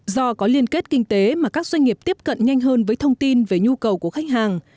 do có liên kết kinh tế mà các doanh nghiệp tiếp cận nhanh hơn với thông tin về nhu cầu của khách hàng